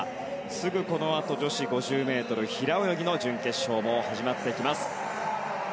すぐ、このあと女子５０ｍ平泳ぎの準決勝も始まってきます。